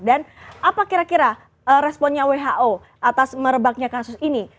dan apa kira kira responnya who atas merebaknya kasus ini